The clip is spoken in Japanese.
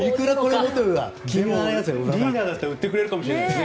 リーダーだったら売ってくれるかもしれないですよ。